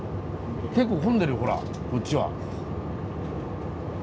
結構混んでるよほらこっちは。